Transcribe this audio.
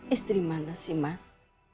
istri mana sih mas